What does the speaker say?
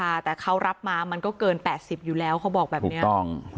ราคาแต่เขารับมามันก็เกิน๘๐อยู่แล้วเขาบอกแบบนี้